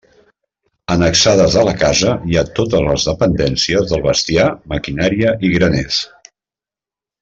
Annexades a la casa hi ha totes les dependències del bestiar, maquinària i graners.